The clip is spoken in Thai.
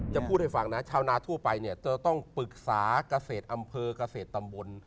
จะพูดให้ฟังนะชาวนาทั่วไปเนี่ยจะต้องปรึกษาเกษตรอำเภอเกษตรตำบล